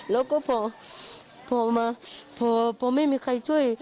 แล้วก็พอมาพอไม่มีใครช่วย